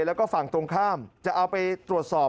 แล้วก็ฝั่งตรงข้ามจะเอาไปตรวจสอบ